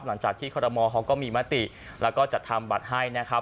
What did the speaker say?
หลังจากที่คอรมอลเขาก็มีมติแล้วก็จัดทำบัตรให้นะครับ